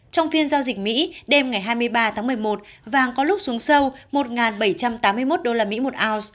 trong phiên giao dịch mỹ đêm ngày hai mươi ba tháng một mươi một vàng có lúc xuống sâu một bảy trăm tám mươi một usd một ounce